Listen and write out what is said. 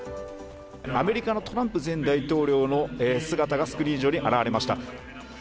アメリカのトランプ前大統領の姿がスクリーン上に現れました。